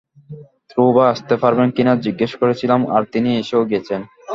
ক্রুবা আসতে পারবেন কিনা জিজ্ঞেস করেছিলাম আর তিনি এসেও গেছেন।